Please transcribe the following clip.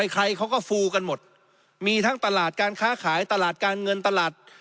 ใครเขาก็ฟูกันหมดมีทั้งตลาดการค้าขายตลาดการเงินตลาด